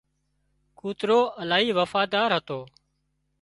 ڪوترو الاهي وفادار هتو